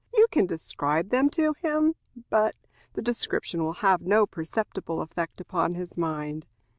You can describe them to him, but the description will have no perceptible effect upon his mind.